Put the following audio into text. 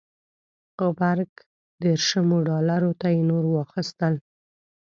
غبرګ دېرشمو ډالرو ته یې نور واخیستل.